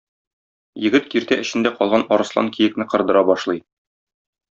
Егет киртә эчендә калган арыслан-киекне кырдыра башлый.